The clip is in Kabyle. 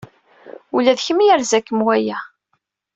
Ula d kemm yerza-kem waya.